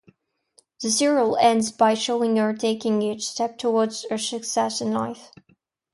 The serial ends by showing her taking each step towards her success in life.